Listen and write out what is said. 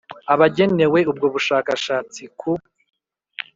Abagenewe ubwo bushakashatsi ku